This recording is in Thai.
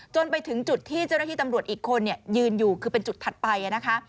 จนไปถึงจุดที่เจ้าหน้าที่ตำรวจอีกคนยืนอยู่คือเป็นจุดถัดไปนะคะ